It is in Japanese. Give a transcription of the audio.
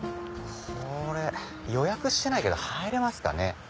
これ予約してないけど入れますかね？